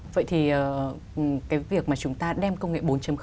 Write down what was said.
vậy thì cái việc mà chúng ta đem công nghệ bốn